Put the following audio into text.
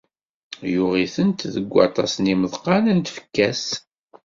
Yuɣ-itent deg waṭas n yimeḍqan n tfekka-s.